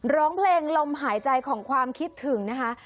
ร้องเพลงลมหายใจของความคิดถึงนะคะ